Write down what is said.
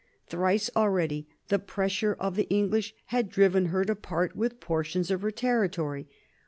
" Thrice already the pressure of the English had driven her to part with portions of her territory.